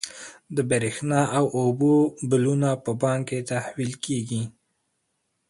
د برښنا او اوبو بلونه په بانک کې تحویل کیږي.